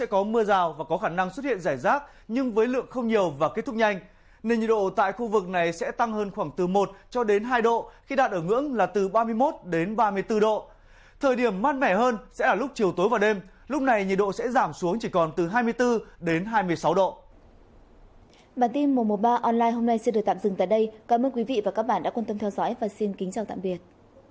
cảm ơn quý vị và các bạn đã quan tâm theo dõi và xin kính chào tạm biệt